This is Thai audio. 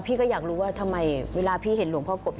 ก็อยากรู้ว่าทำไมเวลาพี่เห็นหลวงพ่อกฎ